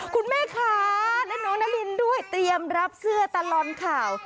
คุณแม่คะและน้องนารินด้วยเตรียมรับเสื้อตลอดข่าว